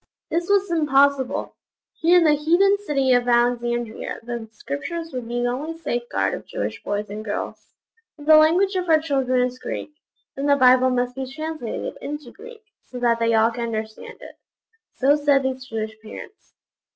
This was impossible. Here in the heathen city of Alexandria the Scriptures would be the only safeguard of Jewish boys and girls. 'If the language of our children is Greek, then the Bible must be translated into Greek, so that they all can understand it.' So said these Jewish parents.